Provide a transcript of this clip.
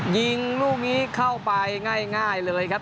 ยิงลูกนี้เข้าไปง่ายเลยครับ